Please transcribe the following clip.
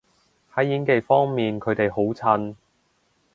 喺演技方面佢哋好襯